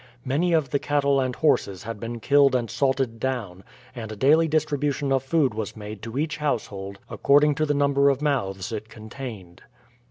Many of the cattle and horses had been killed and salted down, and a daily distribution of food was made to each household according to the number of mouths it contained.